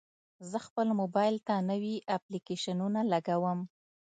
زه خپل موبایل ته نوي اپلیکیشنونه لګوم.